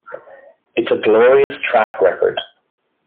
It's a glorious track record.